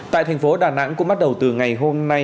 tại thành phố đà nẵng cũng bắt đầu từ ngày hôm nay